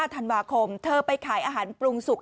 ธันวาคมเธอไปขายอาหารปรุงสุก